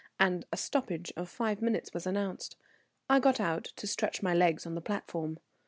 and a stoppage of five minutes was announced. I got out to stretch my legs on the platform.